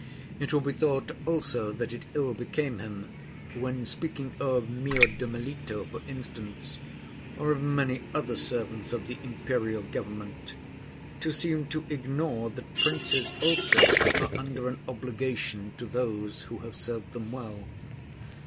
It will be thought also that it ill became him, when speaking of Miot de Melito, for instance, or of many other servants of the imperial government, to seem to ignore that princes also are under an obligation to those who have served them well.